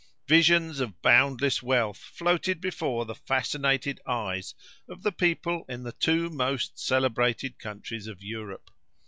Visions of boundless wealth floated before the fascinated eyes of the people in the two most celebrated countries of Europe.